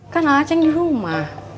kan ate di rumah